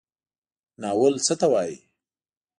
ناول څه ته وایي؟